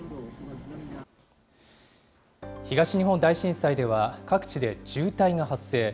東日本大震災では各地で渋滞が発生。